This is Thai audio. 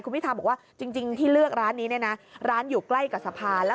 คุณวิทาบอกว่าจริงที่เลือกร้านนี้นะร้านอยู่ใกล้กับสภาแล้ว